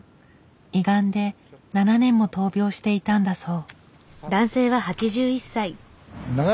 胃がんで７年も闘病していたんだそう。